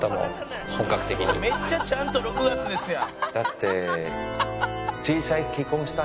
「めっちゃちゃんと６月ですやん」